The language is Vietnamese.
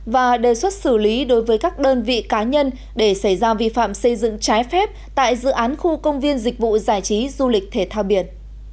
và đề xuất xử lý đối với các đơn vị cá nhân để xảy ra vi phạm xây dựng trái phép tại dự án khu công viên dịch vụ giải trí du lịch thể thao biển